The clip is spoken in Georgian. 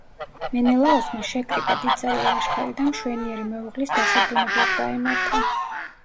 მენელაოსმა შეკრიბა დიდძალი ლაშქარი და მშვენიერი მეუღლის დასაბრუნებლად გაემართა.